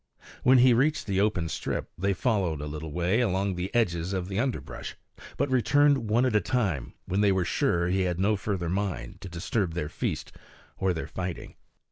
When he reached the open strip they followed a little way along the edges of the underbrush, but returned one at a time when they were sure he had no further mind to disturb their feast or their fighting.